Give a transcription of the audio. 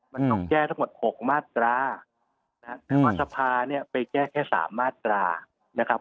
มันต้องแก้ทั้งหมดหกมาตราถ้าพาเนี้ยไปแก้แค่สามมาตรานะครับ